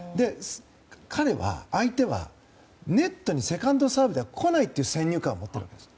彼は、相手はネットにセカンドサーブが来ないという先入観を持っているんです。